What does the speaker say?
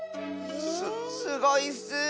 すすごいッス！